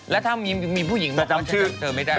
แล้วถ้ามีผู้หญิงบอกว่าจะจำเธอไม่ได้